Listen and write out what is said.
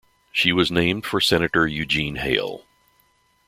She was named for Senator Eugene Hale.